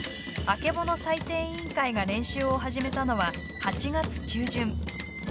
あけぼの祭典委員会が練習を始めたのは、８月中旬。